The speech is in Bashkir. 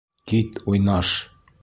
Кит, уйнаш!